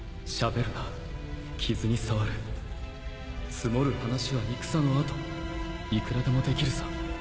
積もる話は戦の後いくらでもできるさ